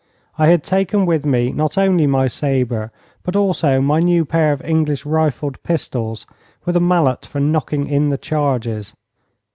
I had taken with me not only my sabre, but also my new pair of English rifled pistols, with a mallet for knocking in the charges.